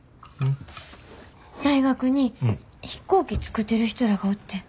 大学に飛行機作ってる人らがおってん。